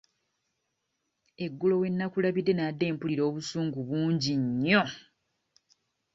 Eggulo we nnakulabidde nabadde mpulira obusungu bungi nnyo.